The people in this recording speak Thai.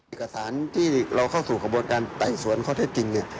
เอกสารที่เราเข้าสู่กระบวนการไต่สวนข้อเท็จจริงเนี่ย